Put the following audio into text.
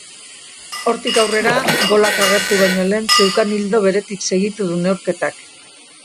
Hortik aurrera, golak agertu baino lehen zeukan ildo beretik segitu du neurketak.